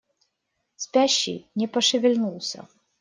Спящий не пошевельнулся.